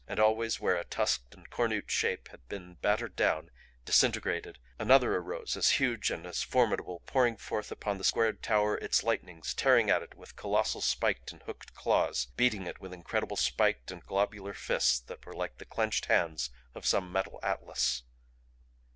And always where a tusked and cornute shape had been battered down, disintegrated, another arose as huge and as formidable pouring forth upon the squared tower its lightnings, tearing at it with colossal spiked and hooked claws, beating it with incredible spiked and globular fists that were like the clenched hands of some metal Atlas.